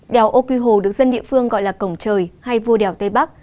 đèo âu quy hồ được dân địa phương gọi là cổng trời hay vua đèo tây bắc